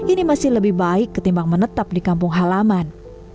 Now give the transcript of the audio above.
ini masih lebih baik ketimbang menetap di kampung halaman